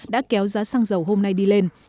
đã kéo giá xăng dầu hôm nay đi lên